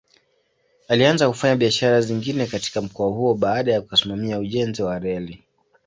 Alianza kufanya biashara zingine katika mkoa huo baada ya kusimamia ujenzi wa reli.